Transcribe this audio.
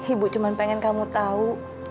ibu cuman pengen kamu tau